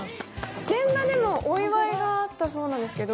現場でもお祝いがあったそうですけど？